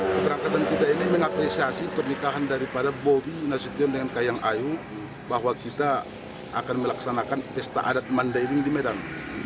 keberangkatan kita ini mengapresiasi pernikahan daripada bobi nasution dengan kayang ayu bahwa kita akan melaksanakan pesta adat mandailing di medan